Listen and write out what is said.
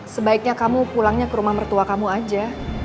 sebaiknya kamu pulangnya ke rumah mertua kamu aja